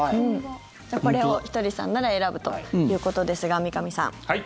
じゃあこれをひとりさんなら選ぶということですが三上さん。